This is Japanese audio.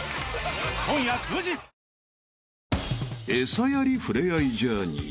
［餌やり触れ合いジャーニー］